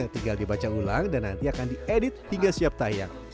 tinggal dibaca ulang dan nanti akan diedit hingga siap tayang